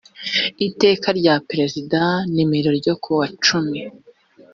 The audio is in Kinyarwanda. iteka rya perezida nimero ryo ku wa cumi